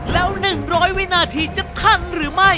แล้ว๑๐๐วินาทีจะทันหรือไม่